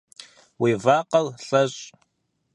Уи вакъэр лъэщӏ.